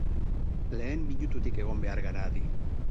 Lehen minututik egon behar gara adi.